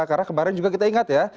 karena kemarin juga kita ingat ya